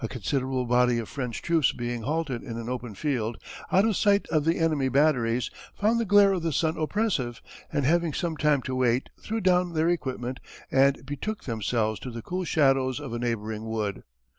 A considerable body of French troops being halted in an open field, out of sight of the enemy batteries, found the glare of the sun oppressive, and having some time to wait threw down their equipment and betook themselves to the cool shadows of a neighbouring wood.